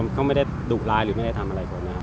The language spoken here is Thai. ก็ไม่ได้ดุร้ายหรือไม่ได้ทำอะไรก่อนนะครับ